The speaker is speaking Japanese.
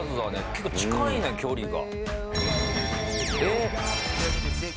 結構近いね、距離が。